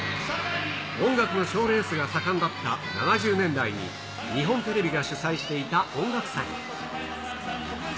音楽の賞レースが盛んだった７０年代に、日本テレビが主催していた音楽祭。